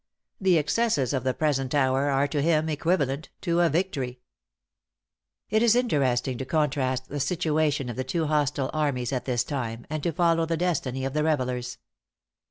The excesses of the present hour are to him equivalent to a victory." It is interesting to contrast the situation of the two hostile armies at this time; and to follow the destiny of the revellers.